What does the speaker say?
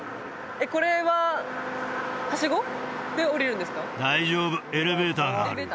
これははしごで下りるんですか？